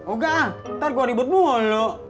oh gah ntar gua ribut mulu